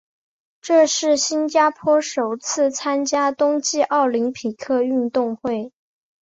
这是新加坡首次参加冬季奥林匹克运动会。